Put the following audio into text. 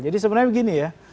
jadi sebenarnya begini ya